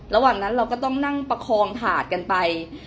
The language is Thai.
ระหว่างนั้นเราก็ต้องนั่งประคองถาดกันไป